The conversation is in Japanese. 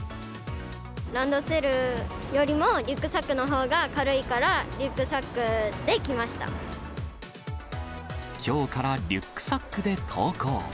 ランドセルよりもリュックサックのほうが軽いから、きょうからリュックサックで登校。